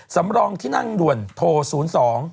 สำรองที่นั่งด่วนโทร๐๒๘๒๖๗๘๘๙